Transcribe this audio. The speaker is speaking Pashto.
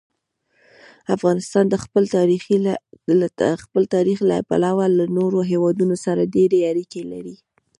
افغانستان د خپل تاریخ له پلوه له نورو هېوادونو سره ډېرې اړیکې لري.